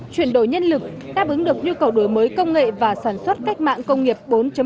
chuyển đổi nhân lực đáp ứng được nhu cầu đổi mới công nghệ và sản xuất cách mạng công nghiệp bốn